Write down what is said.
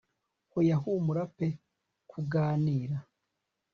hoya humura pe kuganira